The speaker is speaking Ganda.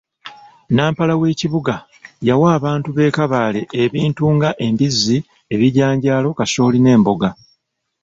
Nnampala w'ekibuga yawa abantu b'e Kabale ebintu nga embizzi, ebijanjaalo, kasooli n'emboga